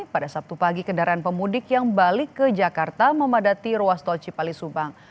pada sabtu pagi kendaraan pemudik yang balik ke jakarta memadati ruas tol cipali subang